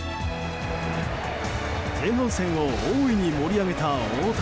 前半戦を大いに盛り上げた大谷。